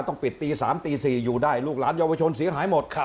ต้องปิดตี๓ตี๔อยู่ได้ลูกหลานเยาวชนเสียหายหมด